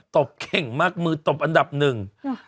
บเข่งมากมือตบอันดับหนึ่ง